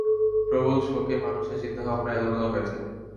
প্রবল শোকে মানুষের চিন্তাভাবনা এলোমেলো হয়ে যায়।